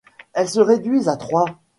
Elles se réduisent à trois.